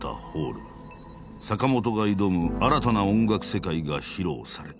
坂本が挑む新たな音楽世界が披露された。